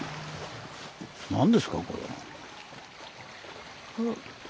何ですかこれ。